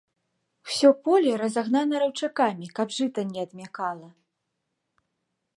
Усё поле разагнана раўчакамі, каб жыта не адмякала.